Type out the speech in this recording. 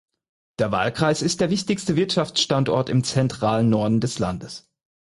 Der Wahlkreis ist der wichtigste Wirtschaftsstandort im zentralen Norden des Landes.